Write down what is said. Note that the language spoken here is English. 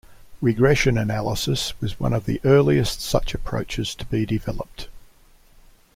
Regression analysis was one of the earliest such approaches to be developed.